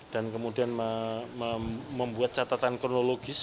dan kemudian membuat catatan kronologis